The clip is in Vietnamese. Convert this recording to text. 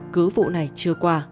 cứ vụ này chưa qua